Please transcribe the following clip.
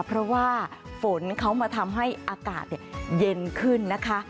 เพราะว่าฝนเขามาทำให้อากาศเย็นขึ้นนะคะ